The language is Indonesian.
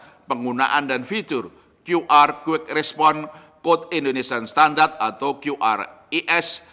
kemudian penggunaan dan fitur qr quick response code indonesian standard atau qris